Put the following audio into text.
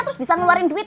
terus bisa ngeluarin duit